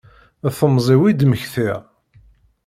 D temẓi-w i d-mmektiɣ.